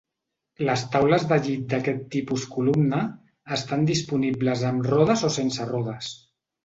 Les taules de llit d'aquest tipus columna, estan disponibles amb rodes o sense rodes.